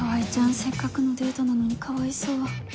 せっかくのデートなのにかわいそう。